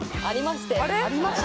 ありまして？